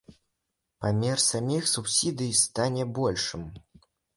Памер саміх субсідый стане большым.